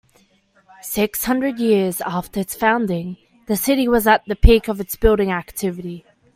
Six hundred years after its founding, the city was at the peak of its building activity.